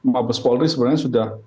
mabes polri sebenarnya sudah